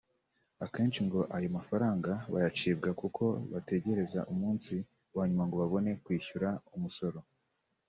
Akenshi ngo ayo mafaranga bayacibwa kuko bategereza umunsi wa nyuma ngo babone kwishyura umusoro